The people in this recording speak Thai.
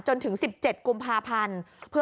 จนถึง๑๗กุมภาพันธ์